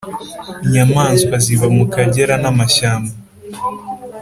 inyamanswa ziba mu kagera namashyamba